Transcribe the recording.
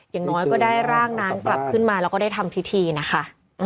อย่างน้อยก็ได้ร่างนั้นกลับขึ้นมาแล้วก็ได้ทำพิธีนะคะ